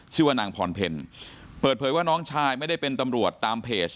ชื่อว่านางพรเพลเปิดเผยว่าน้องชายไม่ได้เป็นตำรวจตามเพจ